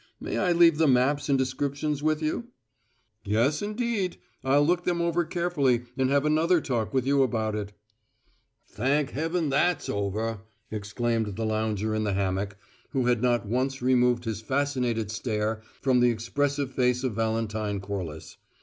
May I leave the maps and descriptions with you?" "Yes, indeed. I'll look them over carefully and have another talk with you about it." "Thank heaven, that's over!" exclaimed the lounger in the hammock, who had not once removed his fascinated stare from the expressive face of Valentine Corliss.